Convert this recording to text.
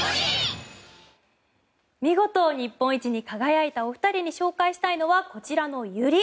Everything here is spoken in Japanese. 見事、日本一に輝いた２人に紹介したいのはこちらのユリ。